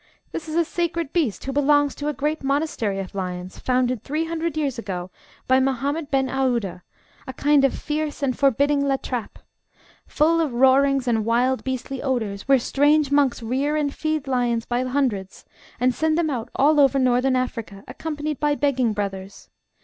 This is a sacred beast who belongs to a great monastery of lions, founded three hundred years ago by Mahomet Ben Aouda, a kind of fierce and forbidding La Trappe, full of roarings and wild beastly odours, where strange monks rear and feed lions by hundreds, and send them out all over Northern Africa, accompanied by begging brothers.